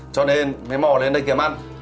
cho nên mới mò lên đây kiếm ăn